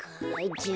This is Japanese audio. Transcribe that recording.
じゃあ。